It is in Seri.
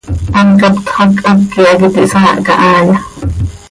¿Hant captxö hac háqui hac iti hsaahca haaya?